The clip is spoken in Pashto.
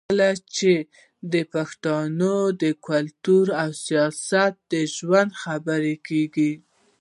کله چې د پښتون کلتور او سياسي ژوند خبره کېږي